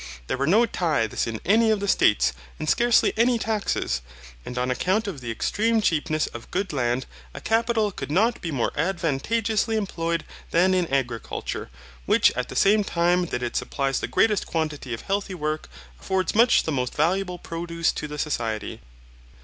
There were no tithes in any of the States, and scarcely any taxes. And on account of the extreme cheapness of good land a capital could not be more advantageously employed than in agriculture, which at the same time that it supplies the greatest quantity of healthy work affords much the most valuable produce to the society.